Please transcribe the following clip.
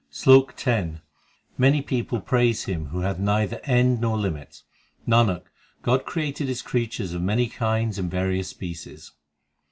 SLOK X Many people praise Him who hath neither end nor limit : Nanak, God created His creatures of many kinds and various species.